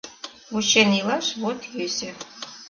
Вучен илаш вот йӧсӧ.